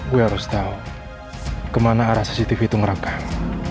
gue harus tau kemana arah cctv itu ngerangkam